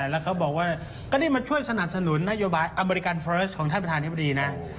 แล้วเขาบอกว่าก็นี่มาช่วยสนับสนุนนโยบายอเมริกันเฟิร์สของท่านประธานธิบดีนะ